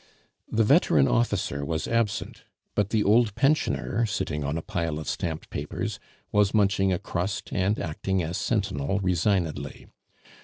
The veteran officer was absent; but the old pensioner, sitting on a pile of stamped papers, was munching a crust and acting as sentinel resignedly.